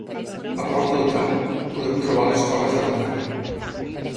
A prop del cap, podem trobar les Coves d'Artà.